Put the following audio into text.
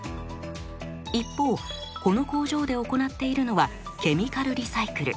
一方この工場で行っているのはケミカルリサイクル。